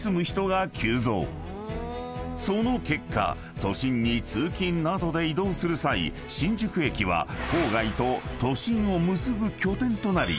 ［その結果都心に通勤などで移動する際新宿駅は郊外と都心を結ぶ拠点となり］